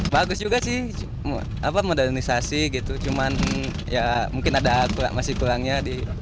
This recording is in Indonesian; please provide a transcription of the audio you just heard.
bagus juga sih modernisasi cuman mungkin ada akurat masih kurangnya